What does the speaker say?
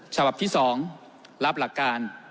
ฉบับที่๒รับหลักการ